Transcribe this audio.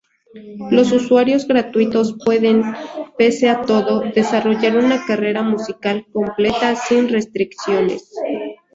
Los usuarios gratuitos pueden, pese a todo, desarrollar una carrera musical completa sin restricciones.